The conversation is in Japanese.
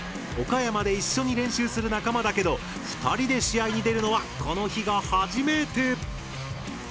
岡山で一緒に練習する仲間だけど２人で試合に出るのはこの日が初めて。